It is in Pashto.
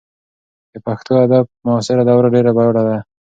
د پښتو ادب معاصره دوره ډېره بډایه ده.